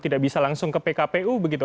tidak bisa langsung ke pkpu begitu